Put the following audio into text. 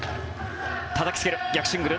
たたきつける、逆シングル。